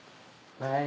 はい。